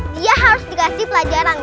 dia harus dikasih pelajaran